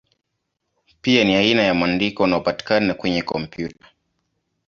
Pia ni aina ya mwandiko unaopatikana kwenye kompyuta.